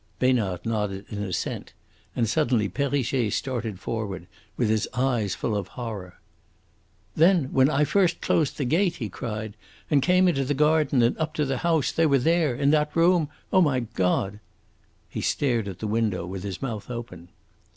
Besnard nodded in assent, and suddenly Perrichet started forward, with his eyes full of horror. "Then, when I first closed the gate," he cried, "and came into the garden and up to the house they were here in that room? Oh, my God!" He stared at the window, with his mouth open.